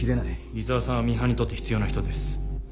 井沢さんはミハンにとって必要な人です。